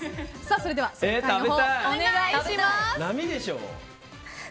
それでは正解をお願いします。